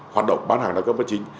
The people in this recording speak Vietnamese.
hoạt động bán hàng đa cấp bất chính